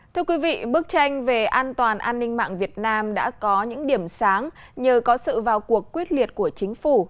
thưa quý vị bức tranh về an toàn an ninh mạng việt nam đã có những điểm sáng nhờ có sự vào cuộc quyết liệt của chính phủ